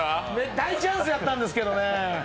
大チャンスやったんですけどね。